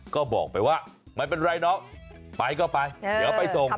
ก็บอกไปว่าไม่เป็นไรน้องไปก็ไปเดี๋ยวไปส่ง